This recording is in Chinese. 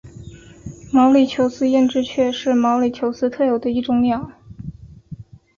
毛里求斯艳织雀是毛里求斯特有的一种鸟。